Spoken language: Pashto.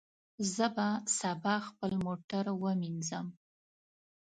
زه به سبا خپل موټر ومینځم.